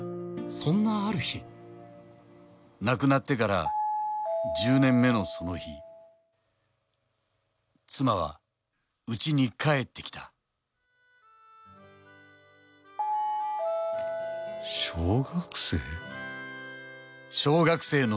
そんなある日亡くなってから１０年目のその日妻はうちに帰ってきた小学生？